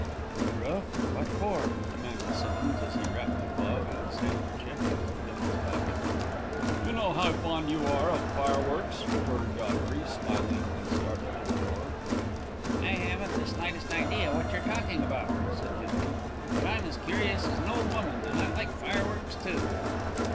"To the roof? What for?" demanded Simmonds, as he wrapped the glove in his handkerchief and put it in his pocket. "You know how fond you are of fire works!" retorted Godfrey, smiling, and started for the door. "I haven't the slightest idea what you're talking about," said Hinman, "but I'm as curious as an old woman, and I like fire works, too!"